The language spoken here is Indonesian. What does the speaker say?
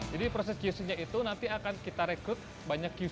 jadi proses qc nya itu nanti akan kita rekrut banyak qc gitu ya